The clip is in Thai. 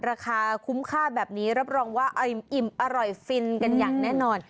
ราคาคุ้มค่าแบบนี้รับรองว่าอิ่มอร่อยฟินกันอย่างแน่นอน